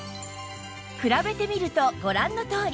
比べてみるとご覧のとおり